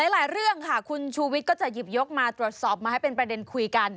หลายเรื่องค่ะคุณชูวิทย์ก็จะหยิบยกมาตรวจสอบมาให้เป็นประเด็นคุยกัน